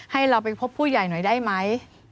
ให้เราไปพบผู้ใหญ่หน่อยได้ไหม